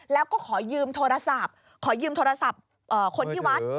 แล้วก็ขอยืมโทรศัพท์ขอยืมโทรศัพท์คนที่วัด